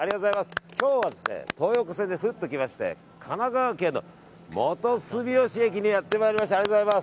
今日は、東横線で来まして神奈川県の元住吉駅にやってまいりました。